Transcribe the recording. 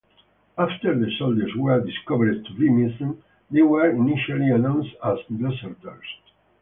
After the soldiers were discovered to be missing, they were initially announced as deserters.